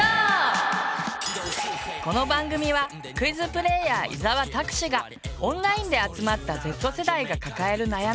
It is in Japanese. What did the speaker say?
この番組はクイズプレーヤー伊沢拓司がオンラインで集まったＺ世代が抱える悩み